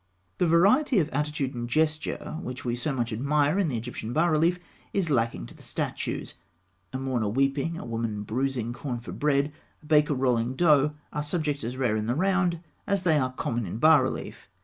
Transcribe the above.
The variety of attitude and gesture which we so much admire in the Egyptian bas relief is lacking to the statues. A mourner weeping, a woman bruising corn for bread, a baker rolling dough, are subjects as rare in the round as they are common in bas relief.